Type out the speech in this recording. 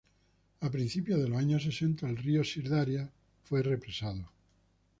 A principios de los años sesenta el río Sir Daria fue represado.